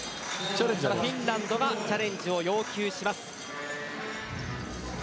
フィンランドがチャレンジを要求します。